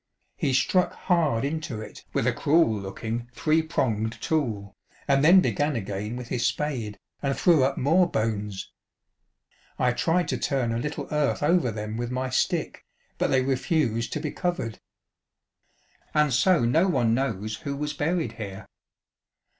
He struck hard into it with a cruel looking three pronged tool, and then began again with his spade, and threw^ up more bones. I tried to turn a little earth over them with my stick, but they refused to be covered. " And so no one knows who was buried here."